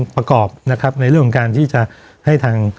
ประกอบในเรื่องการที่จะให้ทาง